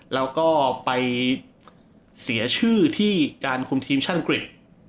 แล้วก็ไปเสียชื่อที่การคุมทีมชั่นกริป